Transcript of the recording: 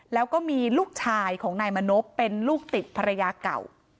แล้วก็มีลูกชายของนายมณพเป็นลูกติดภรรยาเก่า